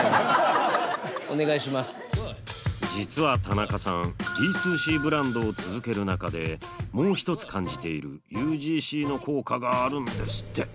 実は田中さんＤ２Ｃブランドを続ける中でもう一つ感じているＵＧＣの効果があるんですって。